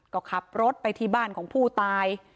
ก็ขับรถไปที่บ้านของผู้ตาย